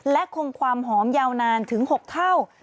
และคงความหอมยาวนานถึง๖เท่า